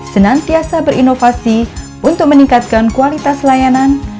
senantiasa berinovasi untuk meningkatkan kualitas layanan